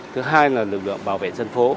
thứ hai là lực lượng bảo vệ dân phố